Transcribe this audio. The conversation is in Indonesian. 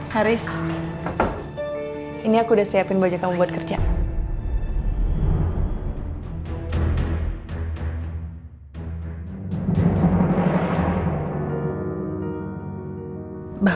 haris ini aku udah siapin baju kamu buat kerja